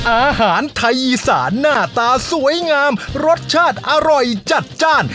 อาหารไทยอีสานหน้าตาสวยงามรสชาติอร่อยจัดจ้าน